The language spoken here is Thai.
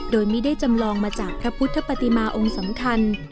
โดยไม่ได้จำลองมาจากพระพุทธปฏิมาองค์สำคัญ